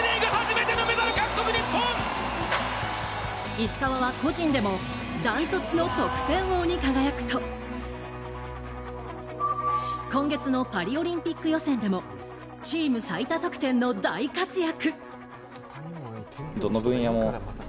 石川は個人でもダントツの得点王に輝くと今月のパリオリンピック予選でもチーム最多得点の大活躍。